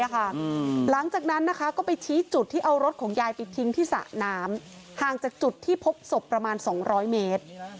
หลังจากนั้นก็ไปชี้จุดที่เอารถของยายไปทิ้งที่สระน้ำห่างจากจุดที่พบศพประมาณ๒๐๐เมตร